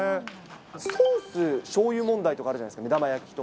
ソース、しょうゆ問題とかあるじゃないですか。